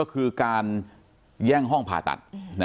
ก็คือการแย่งห้องผ่าตัด